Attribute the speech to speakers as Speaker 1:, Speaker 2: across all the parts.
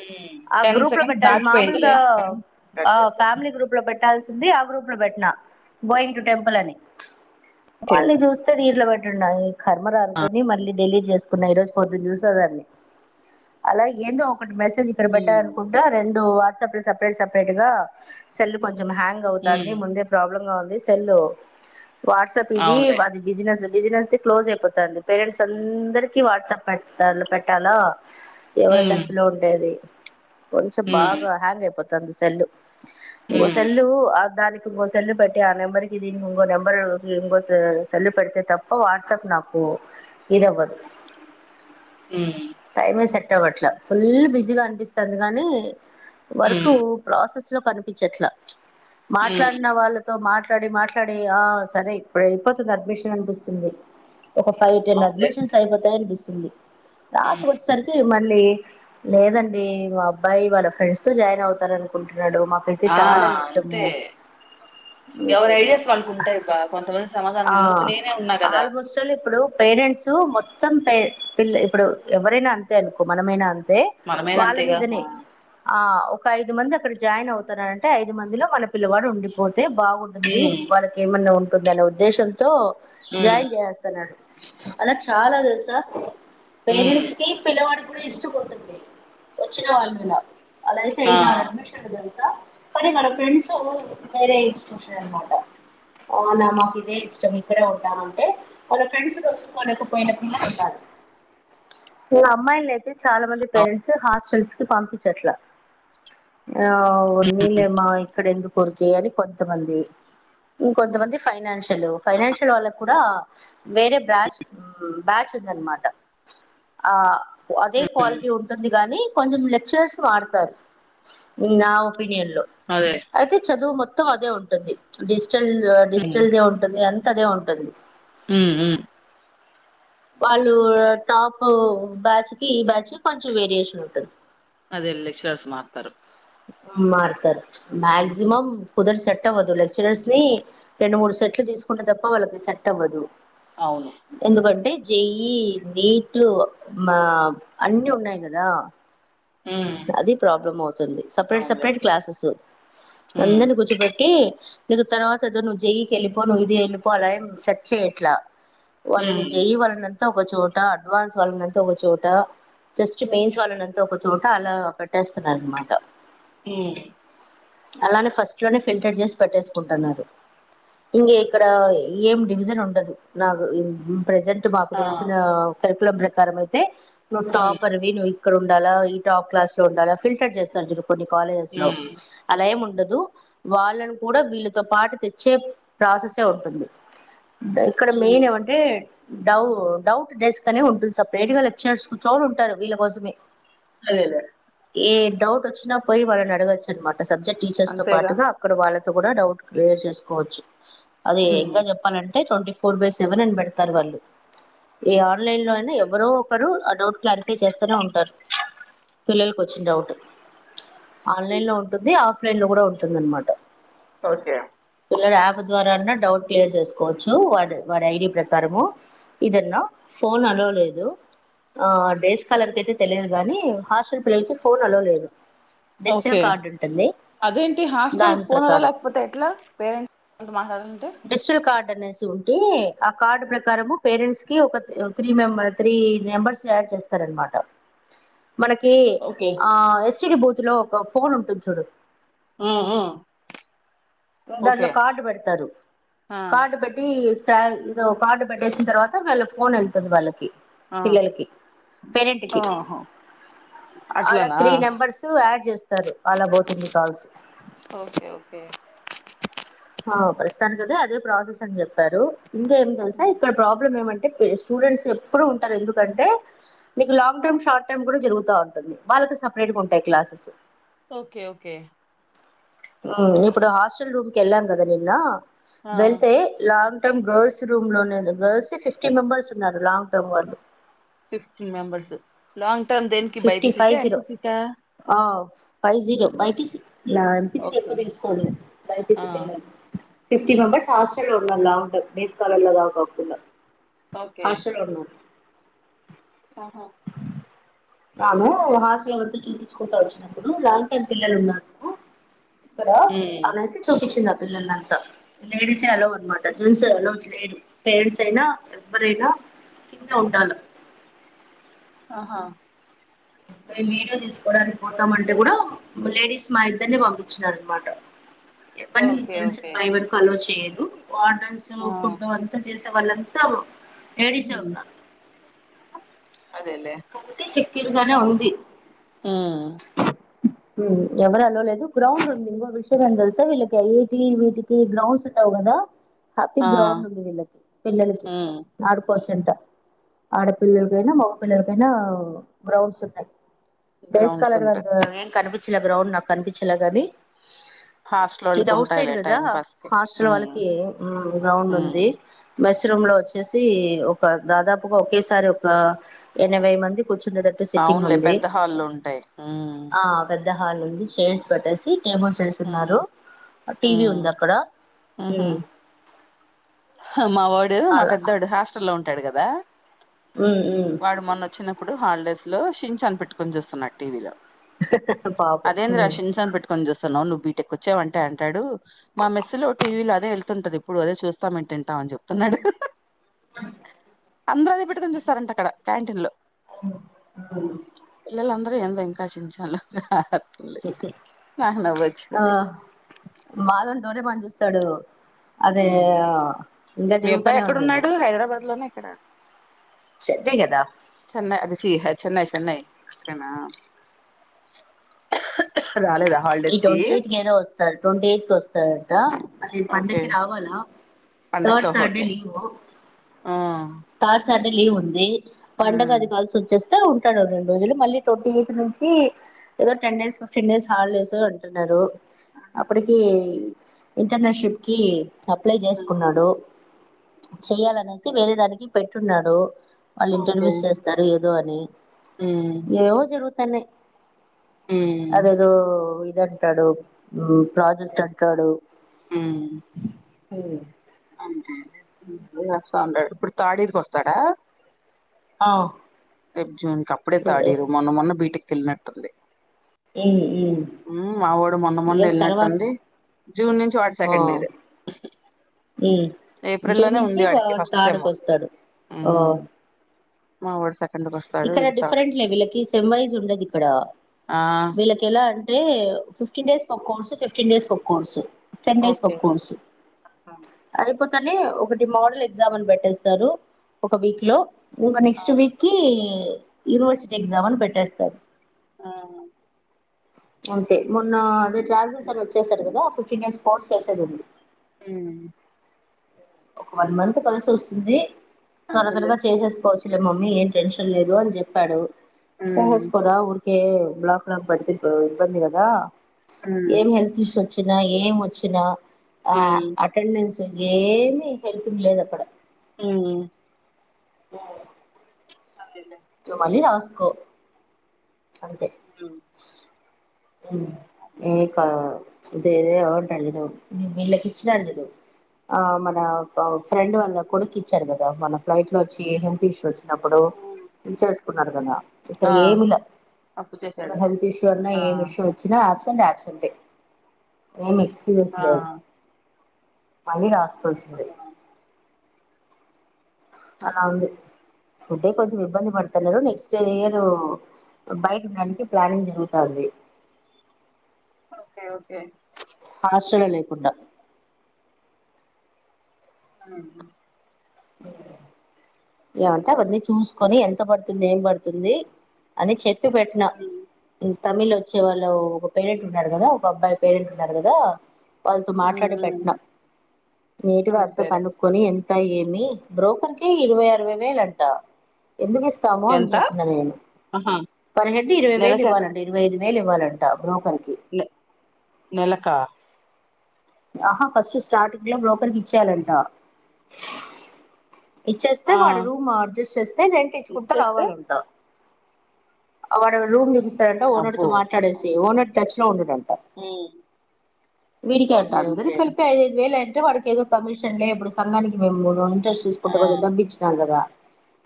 Speaker 1: ఉమ్
Speaker 2: ఆ
Speaker 1: ten
Speaker 2: group లో
Speaker 1: seconds
Speaker 2: పెట్టాలిసి
Speaker 1: దాటిపోయిందిలే
Speaker 2: మామూలుగా
Speaker 1: అందుకని కట్
Speaker 2: ఆ
Speaker 1: చేసా
Speaker 2: ఫ్యామిలీ గ్రూప్ లో పెట్టాల్సి ఆ గ్రూప్ లో పెట్టిన గోయింగ్ టు టెంపుల్ అని
Speaker 1: ఓకే
Speaker 2: వాళ్ళని చూస్తే రీల్ ట్లో పెట్టయ్ కర్మ రా
Speaker 1: ఆ
Speaker 2: అనుకుని మళ్ళీ డిల్లీ చేసుకున్నా ఈ రోజు పొద్దున చూసా దాన్ని అలా ఏందో మెసేజ్ ఇక్కడ పెట్టల
Speaker 1: ఉమ్
Speaker 2: అనుకుంటా రెన్ వాట్సప్లో సపరేట్ సపరేట్గా ల్ కొంచెం కొంచెం హ్యాంగ్ అవుతాంది
Speaker 1: ఉమ్
Speaker 2: ముందే ప్రాబ్లమ్ గా ఉంది సెల్ ఉ వాట్సాప్ ఇది
Speaker 1: అవునులే
Speaker 2: అది బిజినెస్ బిజినెస్దిి క్లోజ్ అయిపోతంది పేరెంట్స్ అందరిక వాట్సాప్ పెడతారు పెట్టాలా ఎవర
Speaker 1: ఉమ్
Speaker 2: టచ్ అదది కొంచెం
Speaker 1: ఉమ్
Speaker 2: బాగా హ్యాంగ్ అయిపోతు త సెల్లు
Speaker 1: ఉమ్
Speaker 2: సెల్లు దానికి ఇ సల్ పెట్టి ఆ నెంబర్కి దీ ఇంగ నెబర్ ఇ సల్ పెడితే తప్ప వాట్సాప్ నాకు ఇది అవ్వదు
Speaker 1: ఉమ్
Speaker 2: టైమ స ఇవట్ల ఫుల్ బిజీగా అనిపిస్తుంది కానీ వరకు
Speaker 1: ఉమ్
Speaker 2: ప్రసస్ కనిపించట్లా
Speaker 1: ఉమ్
Speaker 2: మాట్లాడిన వాళ్ళతో మాట్ సరే మాట్లాడి ఆ సరే ఇప్పుడు అయిపోతుంది అడ్మిషన్ అనిపిస్తుంది ఒక ఫైవ్ టెన్
Speaker 1: అవునులే
Speaker 2: అడ్మిషన్స్ అయిపోతాయ అనిపిస్తుంది రాసి
Speaker 1: ఉమ్
Speaker 2: కొచ్చ సారికి మ లే లేదండి మా అబ్బాయి వాళ్ళ ఫ్రెండ్స్ తో జాయిన్ అవుతార అనుకుంటు న్నాడు మాకైతే
Speaker 1: ఆ
Speaker 2: చాలా
Speaker 1: అంతే
Speaker 2: ఇష్టము
Speaker 1: ఎవరి ఐడియాస్ వాళ్ళకు ఉంటాయి బా కొంతమంది సమాధానం
Speaker 2: ఆ
Speaker 1: ఎందుకు నేనే ఉన్నా కదా
Speaker 2: ఆల్మోస్ట్ల్ ఇప్పుడు పేరెంట్స్ మ మొత్తం పిల్ల ఇప్పుడు ఎవరైనా అంతే అనుకో మనమైనా అంతే అదే
Speaker 1: మనమేనా
Speaker 2: వాళ్ళ
Speaker 1: అంతేగా ఆ
Speaker 2: మీదని ఆ ఒక ఐదు మంది అక్కడ జాయిన్ అవుతారనంటే ఐదు మందిలో మన పిల్లవాడు ఉండిపోతే బాగుంటుంది
Speaker 1: ఉమ్
Speaker 2: వాళ్ళకెమన్న దన ఉద్దేశం తో
Speaker 1: ఉమ్
Speaker 2: జాయిన్ చేస్తున్నాడు అలా చాలా తెలుసా
Speaker 1: ఉమ్
Speaker 2: పేరెంట్స్కి పిలవ ఇష్ట కొ వచ్చిన వారమలా అలా అయితే
Speaker 1: ఆ
Speaker 2: ఐదారు అడ్మిషన్ తెలుసా పొనీ మన ఫ్రెండ్స్ సరే
Speaker 1: అవును
Speaker 2: పేరెంట్స్ హాస్టల్స్ కి పంపించట్లా ఆ వన్నీ లేమా ఇక్కడ ఎ కోరికేయాలి కొంతమంది ఇంకొంతమంది ఫైనాన్షియల్ ఫైనాన్షియల్ వాళ్ళకు కూడా వేరే బ్రాచ్ బ్యాచ్ ఉంది అన్నమాట ఆ అదే
Speaker 1: ఉమ్
Speaker 2: క్వాల ఇది కాని కొంచెం లెక్చర్స్ వాడతారు నా ఒపీనియన్ లో
Speaker 1: అదే
Speaker 2: అయితే చదువు మొత్తం అదే ఉంటుంది ల్ డిజిటల్ దే ఉంటుంది అ అదే ఉంటుంది
Speaker 1: ఉ ఉ
Speaker 2: వాళ్ళు టాప్ బ్యాచ్కి బచ్కి కొంచెం వేరియషన్ ఉంటది
Speaker 1: అదలక్షర్స్ మార్తారు
Speaker 2: మరతారు మక్సిమం కుదర్చట్ట సెట్ అవ్వదు లెక్చరర్స్ ని రెండు మూడు సెట్లు తీసుకుంట తప్ప వాళ్ళకి సెట్ అవ్వదు
Speaker 1: అవును
Speaker 2: ఎందుకంటే జే ఇ నీట్ మా అన్నిీ ఉన్నాయి కదా
Speaker 1: ఉమ్
Speaker 2: అది ప్రాబ్లం అవుతుంది సపరేట్
Speaker 1: అవునులే
Speaker 2: సపరేట్ క్లాసెస్
Speaker 1: ఉమ్
Speaker 2: అందరిని కూర్చోపెట్టి నీకు తర్వాత నువ్వు జయి కి వెళ్ళిపొ ఇది వెళ్ళి పొ అల ఎం సెట్ చేయట్లా
Speaker 1: ఉమ్
Speaker 2: వాళ్ళని జయి వాళ్ళలనంత ఒక చోట అడ్వాన్స్ వాళ్ళనంతా ఒక చోట జస్ట్ మెయిన్స్ వాళ్నంతా చోట అలా పెట్టేస్తున్నారు అన్నమాట
Speaker 1: ఉమ్
Speaker 2: అలానే ఫస్ట్ లోనే ఫిల్టర్ చేసి పెట్టేసుకుంటున్నారు ఇంక ఇక్కడ ఏం డివిజన్ ఉండదు నాకు ప్రజెంట్ మాకు
Speaker 1: ఆ
Speaker 2: తెలిసిన కరికులం ప్రకారం అయితే ను
Speaker 1: ఉమ్
Speaker 2: టాపర్ వి నువ్వ అక్కడ ఉండాల టాప్ క్లాస్ లో ఉండాల ఫిల్టర్ చేస్తారు చూడు కొన్ని కాలేజెస్ లో
Speaker 1: ఉమ్
Speaker 2: అల ఎం ఉండదు వాళ్ళను కూడా వీళ్ళతో పాటు తెచ్చే ప్రాసెసే ఉంటుంది ఇక్కడ మెయిన్ ఏమంటే డౌ డౌట్ డెస్క్ అనే ఉంటుంది సపరేట్ గా లెక్చర్స్ కూర్చుని ఉంటారు వీళ్ళ కోసమే
Speaker 1: అదే లే
Speaker 2: ఏ డౌట్ వచ్చినా పోయి వాళ్ళు నిఅడగోచ్చు అన్నమాట ఆ సబ్జెక్ట్ టీచర్స్ తో
Speaker 1: అంతేగా
Speaker 2: పాటుగా అక్కడ వాళ్ళ కూడా డౌట్ క్లియర్ చేసుకోవచ్చు అదే
Speaker 1: ఉమ్
Speaker 2: ఇంక చెప్పలంటే అంట ట్వంటీ ఫోర్ బై సెవెన్ అని పెడతారు వాళ్ళు ఈ ఆన్లైన్ లో అయినా ఎవరో ఒకరు ఆ డౌట్ క్లారిఫై చేస్తనే ఉంటారు పిల్లలలకు వచ్చిన డౌట్ ఆన్లైన్ లో ఉంటుంది ఆఫ్లైన్ లో కూడా ఉంటుంది అనమాట
Speaker 1: ఓకే
Speaker 2: వేరే యాప్ ద్వారాన్నా డౌట్ క్లియర్ చేసుకోవచ్చు వాడు వాడి ఐడి ప్రకారము ఇదన్నా ఫోన్ అలోలేదు ఆడేస్ అసలకైతే తెలిదుగాని హాస్టల్ పిల్లలకి ఫోన్ అలో లేదు
Speaker 1: ఓకే
Speaker 2: డిజిటల్ కార్డు ఉంటుంది
Speaker 1: అదేంటి హాస్టల్
Speaker 2: దాని
Speaker 1: పోనే
Speaker 2: ప్రకారం
Speaker 1: లేకపోతే ఎట్లా పేరెంట్స్ మాట్లాడాల
Speaker 2: డిజిటల్ కార్డ్ ఉంటే ఆ కార్డు ప్రకారము పేరెంట్స్ కి ఒక త్రీ మెం త్రీ నెంబర్స్ యాడ్ చేస్తారన్నమాట మనకి
Speaker 1: ఓకే
Speaker 2: ఆ ఎస్టిడి బూ ఇ లో ఒక ఫోన్ ఉంటుంది చూడు
Speaker 1: ఆ ఆ
Speaker 2: దాంట్లో కార్డు పెడతారు
Speaker 1: ఆ
Speaker 2: కార్డు పెట్టి ఇదో కార్డు పెట్టేసిన తర్వాత మళ్ళ ఫోన్ వెళ్తుంది వాళ్ళకి
Speaker 1: ఆ
Speaker 2: పిల్లలకి పేరెంట్కి
Speaker 1: ఆహా
Speaker 2: అలా
Speaker 1: అట్లనా
Speaker 2: త్రీ నెంబర్స్ యాడ్ చేస్తారు అలా పోతుంది కాల్స్
Speaker 1: ఓకే ఓకే
Speaker 2: ఆ ప్రస్తుతానికి ఐతే అదే ప్రాసెస్ అని చెప్పారు ఇంకా ఏమి తెల్సా
Speaker 1: ఉమ్,
Speaker 2: ఇక్కడ ప్రాబ్లం ఏమంటే [unintelligible] స్టూడెంట్స్ ఎప్పుడు ఉంటారు ఎందుకు ఎంటే నీకు లాంగ్ టైమ్ షార్ట్ టైమ్ కూడా జరుగుతా ఉంటుంది వాళ్ళకి సపరేట్ గా ఉంటాయి క్లాసెస్
Speaker 1: ఓకే ఓకే
Speaker 2: ఇప్పుడు హాస్టల్ రూమ్ కెళ్ళాం కదా నిన్న
Speaker 1: ఆ
Speaker 2: వెళ్తేలాంగ్ గర్ల్స్ రూమ్ లోనే గర్ల్స్ ఫిఫ్టీన్ మెంబర్స్ ఉన్నారు లాంగ్ టర్మ్ వాళ్ళు
Speaker 1: ఫిఫ్టీ మెంబర్స్ లాంగ్ టర్మ్ దేన్కి
Speaker 2: ఫిఫ్టీ
Speaker 1: బైపిసి
Speaker 2: ఫైవ్
Speaker 1: క
Speaker 2: జీరో
Speaker 1: ఎంపిసి కా
Speaker 2: ఆ! Five zero Bi P C ఇలా ఎంపీసి కి ఎక్కువ
Speaker 1: ఓకే
Speaker 2: తీసుకోడు బై పి
Speaker 1: ఆ
Speaker 2: సి కే ఫిఫ్టీ మెంబర్స్ హాస్టల్ ఉండారు లాంగ్ డేస్ కాలర్లో కాకుం
Speaker 1: ఓకే
Speaker 2: హాస్టల్లో ఉన్నాం
Speaker 1: ఆహా
Speaker 2: రాము హాస్టల్లో తిప్పి చూపించుకుంటా వచ్చినప్పుడు లాంగ్ టర్మ్ పిల్లలు ఉన్నారు ఇడ
Speaker 1: ఉమ్
Speaker 2: అనేసి చూపించింద పిల్లలంతా లేడీస్ అలో అనమాట జెంట్స్ అలో లేదు పేరెంట్స్ అయినా ఎవరైనా కింద ఉండాల
Speaker 1: ఆహా
Speaker 2: మీడి తీసుకోవడానికి పోతామంటే కూడా లేడీస్ మా ఇద్దరిని పంపించినార అనమాట ఎపుడు
Speaker 1: ఓకే
Speaker 2: జెంట్స్ని
Speaker 1: ఓకే
Speaker 2: పేయి వరకు అల్లోవ చేయారు ఉ వార్డర్స్ ఫుడ్
Speaker 1: ఉహు
Speaker 2: అంతా చేసే వాళ్ళంతా ఏడి స ఒకదా
Speaker 1: అదేలేే
Speaker 2: క్కరుగానే ఉంది
Speaker 1: ఉమ్
Speaker 2: ఉమ్ ఎవరు అలలేదు గ్రౌండ్ ఉంది ఇంకో విషయం ఏం తెలుసా వీళ్ళకిటి వీటికి గ్రౌండ్స్ ఉట్టావు కదా హ్యాపీ
Speaker 1: ఆ
Speaker 2: గ్రౌండ్ ఉంది వీళ్ళకి పిల్లలకి
Speaker 1: ఉమ్
Speaker 2: ఆడుకోవచ్చు ఇంట ఆడపిల్లలకైనా మగ పిల్లలకైనా బ్రౌన్స్ ఉన్నాయి డేస్
Speaker 1: గ్రౌండ్స్
Speaker 2: కాలర్ కదా
Speaker 1: ఉంటాయి
Speaker 2: ఎమ్ కానిప్ స్ట్ఇలగ్రౌండ్ నాకు కనిపించలగాని
Speaker 1: హాస్టల్
Speaker 2: ఇది
Speaker 1: వాళ్ళకి
Speaker 2: అఔట్ సైడ్
Speaker 1: ఉంటాయిలే
Speaker 2: కదా
Speaker 1: టైం పాస్ కి
Speaker 2: హాస్టల్
Speaker 1: ఉమ్
Speaker 2: వాళ్ళకి ఉమ్ గ్రౌండ్
Speaker 1: ఉమ్
Speaker 2: ఉంది మెస్రూములో వచ్చేసి ఒక దాదాపుగ ఒకే సారి ఒక ఎనభై మంది కూర్చునేటట్టు సిట్టింగ్
Speaker 1: అవునులే
Speaker 2: ఉంది
Speaker 1: పెద్ద హాళ్ళుఉంటాయి ఉమ్
Speaker 2: పెద్దహాల్ ఉంది షేర్స్ పట్టెసి టే
Speaker 1: ఉమ్
Speaker 2: బుల్‌సేసున్నారు టీవీ ఉంది అక్కడా
Speaker 1: ఆహా మా వాడు మా
Speaker 2: అలా
Speaker 1: పెద్దొడు హాస్టల్లో ఉం టాడు కదా
Speaker 2: ఉమ్ ఉమ్
Speaker 1: వాడు మొన్న వచ్చినప్పుడు హాలిడేస్ లో షిన్‌చాన్ పెట్టుకొని చూస్తున్నాడుటీవీలో
Speaker 2: పాపం
Speaker 1: అదేంద్ర
Speaker 2: ఉమ్
Speaker 1: షిన్‌చాన్ పెట్టుకొని చూస్తాన్నావు నువ్ బీటెక్ వచ్చామంట అంటడు మా మెస్సులో టీవీలో అదే వెళ్తుంటది ఇప్పుడు అదే చూస్తామ తింటామ అని చెప్తున్నాడు అహ అ అందరు అది పెట్టుకుని చూస్తారంట అక్కడ క్యాంటీన్ లో
Speaker 2: ఉమ్
Speaker 1: అధే ఇంకా షించన్లు అ
Speaker 2: ఉహు ఆ మాదుం లోపటే పని చూస్తాడు అదే
Speaker 1: ఉమ్
Speaker 2: ఇంకా జరుగుతూనే ఉంది అది
Speaker 1: కదా
Speaker 2: సెద్దికదా
Speaker 1: చెన్నై అది చీహ చెన్నై చెన్నై అక్కడనా రాలేదా
Speaker 2: ఈ ట్వంటీ ఎయిత్ కి ఏదో వస్తాడు ట్వంటీ ఎయిత్ కి వస్తాడంట నేను
Speaker 1: ఓకే
Speaker 2: పండక్కి రావాలా తర్డ్
Speaker 1: పండక్క
Speaker 2: సాటర్డే
Speaker 1: ఓకే
Speaker 2: లీవు
Speaker 1: ఆ
Speaker 2: థర్డ్ సాటర్డే లీవు ఉంది పండగది
Speaker 1: ఉమ్
Speaker 2: కల్సోచ్చేసింది స్తే ఉంటాడు రెండు రోజులు మళ్ళీ ట్వంటీ ఎయిత్ నుంచి ఏదో ten days fifteen days holidays అంటున్నారు అప్పటికి ఇంటర్నషిప్ కి అప్లై
Speaker 1: ఉమ్
Speaker 2: చేసుకున్నాడు చెయ్యాలనేసి వేరే దానికి పెట్టున్నాడు వాళ్ళు
Speaker 1: ఓకే
Speaker 2: ఇంటర్వ్యూస్ చేస్తారు ధోనీ
Speaker 1: ఉమ్
Speaker 2: ఏవో జరు తనే
Speaker 1: ఉమ్
Speaker 2: అదేదో ఇద అంటాడు ప్రాజెక్ట్ అంటాడు [inaudible] హో
Speaker 1: అంతే ఉమ్ వస్తా ఉంటడు ఇప్పుడు థర్డ్ ఇయర్కీ వస్తాడా
Speaker 2: ఆ
Speaker 1: రేపు జూన్ కప్పుడే థర్డ్ ఇయరు మొన్న మొన్న బీటెక్ కెళ్లి నెట్టుంది ఉమ్ మా వాడు మొన్న మొన్న
Speaker 2: ఏ తర్వాత
Speaker 1: వెళ్ళినట్టుంది జూన్ నుంచి వాడు సెకండ్
Speaker 2: ఆ
Speaker 1: ఇయర్
Speaker 2: జూన్
Speaker 1: ఏప్రిల్లోనే
Speaker 2: నుంచి
Speaker 1: ఉంది వాడికి
Speaker 2: వాడు
Speaker 1: ఫస్ట్ సెమ్
Speaker 2: థర్డ్కి వస్తాడు ఆ
Speaker 1: మా వర్స
Speaker 2: ఇక్కడ డిఫరెంట్లే వీళ్ళకి సెమ్ వైజ్ ఉండది ఇక్కడ
Speaker 1: ఆ
Speaker 2: వీళ్ళకి ఎలా అంటే ఫిఫ్టీన్ డేస్ ఒక కోర్సు ఫిఫ్టీన్ డేస్ ఒక కోర్సు టెన్ డేస్ ఒక
Speaker 1: ఓకే
Speaker 2: కోర్సు
Speaker 1: ఆ
Speaker 2: అది లేకపోతేనే ఒకటి మోడల్ ఎగ్జామ్ అని పెట్టేస్తారు ఒక వీక్ లో ఇంకా
Speaker 1: ఆ
Speaker 2: నెక్స్ట్ వీక్ కి యూనివర్సిటీ ఎగ్జామ్ అని పెట్టేస్తారు
Speaker 1: ఆ
Speaker 2: అంతే మొన్న అదే ట్రావెసింగ్స్ సార్ వచ్చేసారు కదా ఫిఫ్టీన్ డేస్ కోర్స్ చేసేది ఉంది
Speaker 1: మ్మ్
Speaker 2: ఒక వన్ మంత్ కలిసి వస్తుంది తర
Speaker 1: అదేలే
Speaker 2: తరగా చేసేసుకోవచ్చు లే మమ్మీ ఏం టెన్షన్ లేదు అని చెప్పాడు
Speaker 1: ఉమ్
Speaker 2: సహస్కోరారు కే బ్లాక్ లో పడితే ఇబ్బంది కదా
Speaker 1: ఉమ్
Speaker 2: ఏం హెల్తు ఇష్యూ వచ్చిన ఏం వచ్చిన ఆ
Speaker 1: ఉమ్
Speaker 2: అటెండెన్స్ ఏ హెల్త్ కి లేదు అక్కడ
Speaker 1: మ్మ్
Speaker 2: మ్మ్
Speaker 1: అదేలే
Speaker 2: నువ్వు మల్లి రాస్కో అంతె
Speaker 1: ఉమ్ అంతే
Speaker 2: కాేదే ఉంటారు లేద వీళ్ళకి ఇచ్చినడు చూడు ఆ మన ఫ్రెండ్ వాళ్ళ కొడుకి ఇచ్చారు కదా మన ఫ్లైట్ లో వచ్చి హెల్త్ ఇష్యూ వచ్చి అప్పుడు
Speaker 1: ఉమ్
Speaker 2: ఇక్కడ
Speaker 1: ఆ
Speaker 2: ఏమిలె
Speaker 1: అప్పు చేసాడు
Speaker 2: నువ్వు హెల్త్ ఇష్యూ అన్న
Speaker 1: ఆ
Speaker 2: వచ్చిన యాప్సెంట్ యాప్సంటే ఎమీ
Speaker 1: ఆ
Speaker 2: మళ్ళీ సిద్ అలా ఉంది ఫుడే కొంచెం ఇబ్బంది పడుతున్నారు నెక్స్ట్ ఇయరు బయట ఉండడానికి ప్లానింగ్ జరుగుతుంది
Speaker 1: ఓకే ఓకే
Speaker 2: హర్షగా లేకుండా
Speaker 1: ఆ
Speaker 2: ఏమంటే అవి ఆన్ని చూసుకొని ఎంత పడుతుంది ఏం పడుతుంది అని పెట్న
Speaker 1: ఉమ్
Speaker 2: తమిళ వచ్చే వాళ్ళు ఒక పేరెంట్ ఉన్నారు కదా ఒక అబ్బాయి పేరెంట్ ఉన్నారు కదా వాళ్ళతో మాట్లాడి
Speaker 1: ఉమ్
Speaker 2: పెట్న నీట్గా
Speaker 1: తమిళ్
Speaker 2: అంత
Speaker 1: పేరెంట్స్
Speaker 2: కనుక్కొని
Speaker 1: తోటి
Speaker 2: ఎంత ఏం బ్రోకర్కి ఇరవై అరవై వేలంట ఎందుకు ఇస్తాము అని
Speaker 1: ఎంత
Speaker 2: చెప్పిన నేను
Speaker 1: ఆహా
Speaker 2: పర్ హెడ్ ఇరవై వేలు
Speaker 1: నెలక
Speaker 2: ఇవ్వాలండి ఇరవై మేలు ఇవ్వాలంట బ్రోకర్ కి
Speaker 1: న నెలకా
Speaker 2: ఆహా ఫస్ట్ స్టార్టింగ్ లో బ్రోకర్కి ఇచ్చేయాలంట ఇచ్చేస్తే
Speaker 1: ఆ
Speaker 2: వాడు రూమ్ అడ్జస్ట్ చేస్తే రెంట్ ఇచ్చుకుంట
Speaker 1: ఇచ్చేస్తే
Speaker 2: రావాలంటా వడ రూమ్ అంట ఓనర్ తో మాట్లాడేసి ఓనర్ ట [unintelligible]
Speaker 1: ఉమ్
Speaker 2: వీడికే అంట అందరు కలిపి ఐదుఐదు వేలు వాడికి ఏదో కమిషన్ లే ఇప్పుడు సంఘానికి మేము మూడు
Speaker 1: ఆ!
Speaker 2: చేసుకుంట బతికిన బిక్షదానిలగా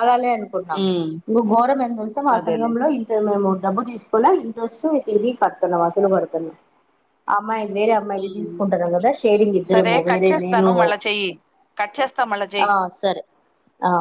Speaker 2: అదలే కు
Speaker 1: హ్మ్.
Speaker 2: ఇంఘోరం ఎందుసాం మా
Speaker 1: అదేలే.
Speaker 2: సంఘంలో ఇ మేము డబ్బు తీసుకున్నా ఇంట్రెస్ట్ తిరిగి కడుతున్నా అసలు కడుతున్నా ఆ అమ్మాయి వేరే అమ్మాయిలు
Speaker 1: హ్మ్.
Speaker 2: తీసుకుంటను కదా షేరింగ్
Speaker 1: సరే
Speaker 2: ఇద్దరము
Speaker 1: కట్
Speaker 2: వేరే నేను
Speaker 1: చేస్తాను మళ్ళా చెయ్యి. కట్ చేస్తా మళ్ళా
Speaker 2: ఆ
Speaker 1: చెయ్.
Speaker 2: సరే హా